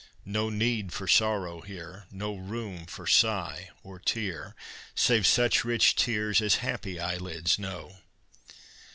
No need for sorrow here, No room for sigh or tear, Save such rich tears as happy eyelids know.